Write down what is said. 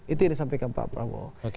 itu yang disampaikan pak prabowo